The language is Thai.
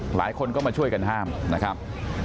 หลายคนก็มาช่วยกันห้ามนะครับ